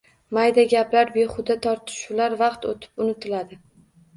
Mayda gaplar, behuda tortishuvlar vaqt o‘tib unutiladi.